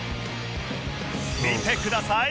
見てください！